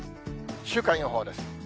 週間予報です。